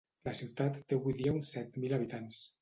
La ciutat té avui dia uns set mil habitants.